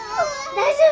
大丈夫。